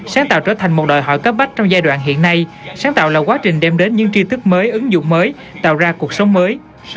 sáng tạo trở thành một đòi hỏi cấp bách trong giai đoạn hiện nay sáng tạo là quá trình đem đến những tri thức mới ứng dụng mới tạo ra cuộc sống mới